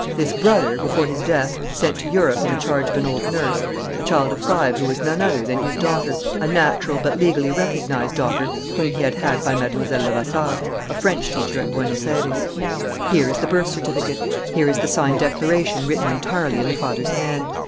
This brother, before his death, sent to Europe, in the charge of an old nurse, a child of five who was none other than his daughter, a natural but legally recognized daughter whom he had had by Mlle. Levasseur, a French teacher at Buenos Ayres. "Here is the birth certificate. Here is the signed declaration written entirely in the father's hand.